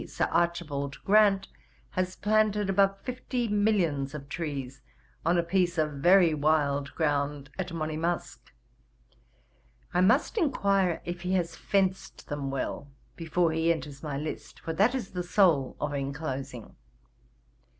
Sir Archibald Grant, has planted above fifty millions of trees on a piece of very wild ground at Monimusk: I must enquire if he has fenced them well, before he enters my list; for, that is the soul of enclosing.